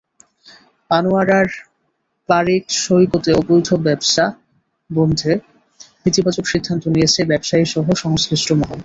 আনোয়ারার পারিক সৈকতে অবৈধ ব্যবসা বন্ধে ইতিবাচক সিদ্ধান্ত নিয়েছে ব্যবসায়ীসহ সংশ্লিষ্ট মহল।